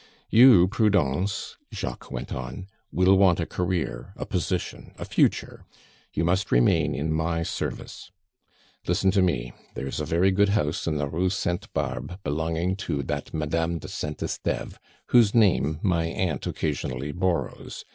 "You, Prudence," Jacques went on, "will want a career, a position, a future; you must remain in my service. Listen to me. There is a very good house in the Rue Sainte Barbe belonging to that Madame de Saint Esteve, whose name my aunt occasionally borrows.